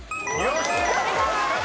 正解です！